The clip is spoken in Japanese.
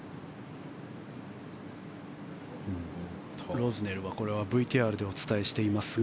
ロズネルはこれはＶＴＲでお伝えしていますが。